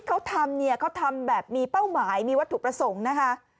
เขาทำเนี่ยเขาทำแบบมีเป้าหมายมีวัตถุประสงค์นะคะ